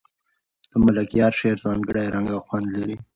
د ملکیار شعر ځانګړی رنګ او خوند لري.